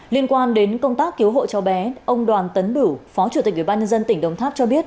liên quan đến công tác cứu hộ cho bé ông đoàn tấn bửu phó chủ tịch ủy ban nhân dân tỉnh đồng tháp cho biết